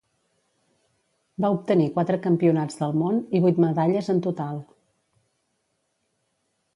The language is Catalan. Va obtenir quatre Campionats del món i vuit medalles en total.